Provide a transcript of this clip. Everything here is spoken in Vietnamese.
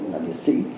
là đệ sĩ